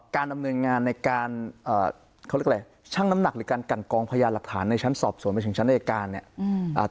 การดำเนินงานในการช่างน้ำหนักหรือการกันกองพยายามหลักฐานในชั้นสอบส่วนไปถึงชั้นได้การเนี่ย